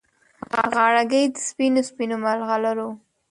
غاړګۍ د سپینو، سپینو مرغلرو